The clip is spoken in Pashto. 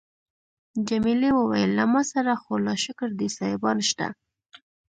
جميلې وويل: له ما سره خو لا شکر دی سایبان شته.